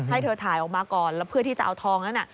ให้เธอถ่ายออกมาก่อนแล้วเพื่อที่จะเอาทองนั้น